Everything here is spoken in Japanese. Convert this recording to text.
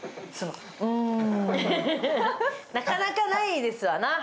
なかなかないですわな。